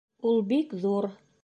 Ул бик ҙур